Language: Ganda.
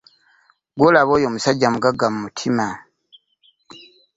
Gw'olaba oyo musajja mugagga mu mutima